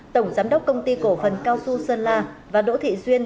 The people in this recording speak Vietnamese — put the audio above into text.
tổng giám đốc công ty cổ phần cao xu sơn la và đỗ thị duyên